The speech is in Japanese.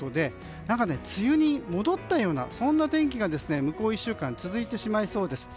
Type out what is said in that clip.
梅雨に戻ったような天気が向こう１週間続いてしまいそうです。